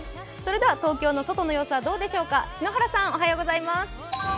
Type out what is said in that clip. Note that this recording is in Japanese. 東京の外の様子はどうでしょうか、篠原さん。